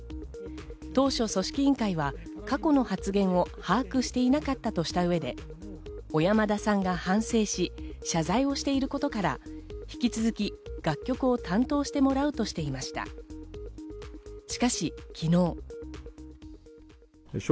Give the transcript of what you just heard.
当初、組織委員会は過去の発言を把握していなかったとした上で小山田さんが反省し、謝罪をしていることから、引き続き楽曲を担当してもらうとしていました。